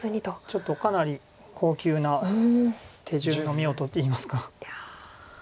ちょっとかなり高級な手順の妙といいますか。